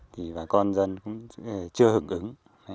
thì bà con dân cũng chưa hưởng ứng